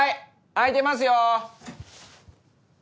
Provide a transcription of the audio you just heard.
開いてますよ！